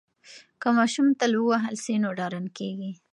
که ماشوم تل ووهل سي نو ډارن کیږي.